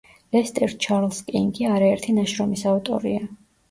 ლესტერ ჩარლზ კინგი არაერთი ნაშრომის ავტორია.